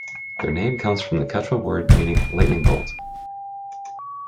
Their name comes from the Quechua word meaning "Lightning Bolt".